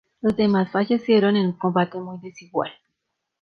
Los demás fallecieron en un combate muy desigual.